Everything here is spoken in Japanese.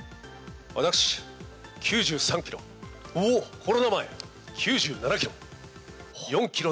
私９３キロ、コロナ前９７キロ。